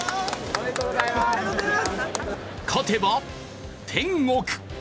勝てば天国。